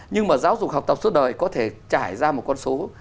nhưng mà giáo dục học tập suốt đời có thể trải ra một con số